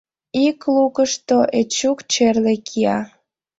Ик лукышто Эчук черле кия.